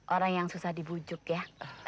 orang yang susah dibujuk ya